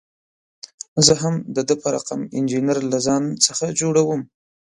زه هم د ده په رقم انجینر له ځان څخه جوړوم.